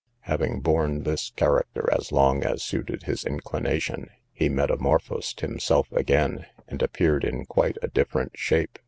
Having borne this character as long as suited his inclination, he metamorphosed himself again, and appeared in quite a different shape.